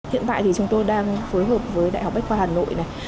hiện tại thì chúng tôi đang phối hợp với đại học bách khoa hà nội này